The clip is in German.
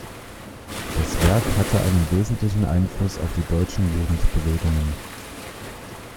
Das Werk hatte einen wesentlichen Einfluss auf die deutschen Jugendbewegungen.